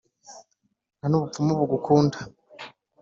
nta n'ubupfumu bugukunda!